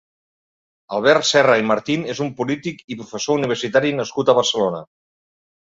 Albert Serra i Martín és un polític i professor universitari nascut a Barcelona.